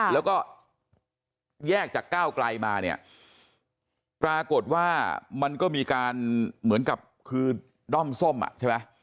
แล้วก็แยกจากก้าวไกลมาเนี่ยปรากฏว่ามันก็มีการเหมือนกับคือด้อมส้มอ่ะใช่ไหม